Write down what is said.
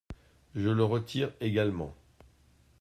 Je le retire également.